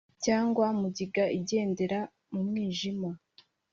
cyangwa mugiga igendera mu mwijima,